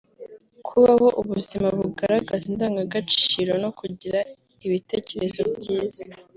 kubaho ubuzima bugaraza indangagaciro no kugira ibitekerezo byiza